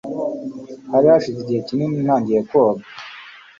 Hari hashize igihe kinini ntagiye koga.